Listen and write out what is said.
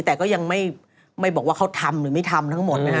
แต่ก็ยังไม่บอกว่าเขาทำหรือไม่ทำทั้งหมดนะฮะ